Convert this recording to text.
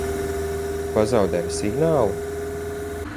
Tu pazaudēji signālu?